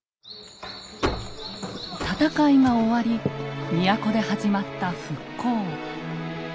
戦いが終わり都で始まった復興。